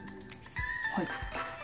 はい。